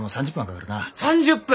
３０分！？